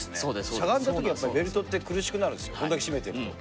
しゃがんだときって、ベルトって苦しくなるんですよ、これだけ締めてると。